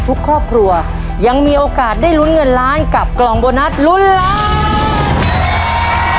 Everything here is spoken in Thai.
ทุกครอบครัวยังมีโอกาสได้ลุ้นเงินล้านกับกล่องโบนัสลุ้นล้าน